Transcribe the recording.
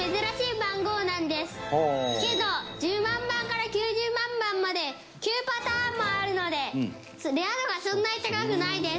けど１０万番から９０万番まで９パターンもあるのでレア度がそんなに高くないです。